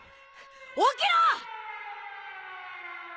起きろ！！